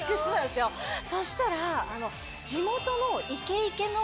そしたら。